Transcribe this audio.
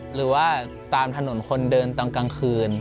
หรือว่าตามถนนคนเดินตอนกลางคืน